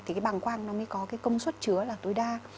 thì cái bằng quang nó mới có công suất chứa là tối đa